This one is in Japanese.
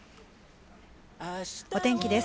お天気です。